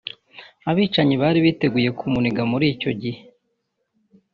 Abicanyi bari biteguye kumuniga muri icyo gihe